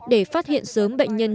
để phát hiện sớm bệnh nhân